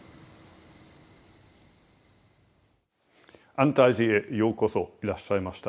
安泰寺へようこそいらっしゃいました。